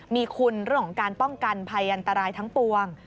มีคุณเรื่องของการป้องกันภัยอันตรายทั้งปวง